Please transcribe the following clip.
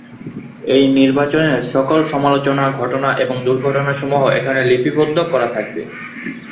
এ নির্বাচনের সকল সমালোচনা, ঘটনা এবং দুর্ঘটনা সমূহ এখানে লিপিবদ্ধ করা থাকবে।